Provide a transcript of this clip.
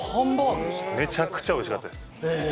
めちゃくちゃ美味しかったです。